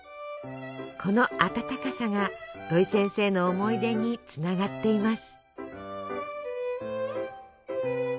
この温かさが土井先生の思い出につながっています。